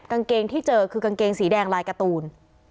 กางเกงที่เจอคือกางเกงสีแดงลายการ์ตูน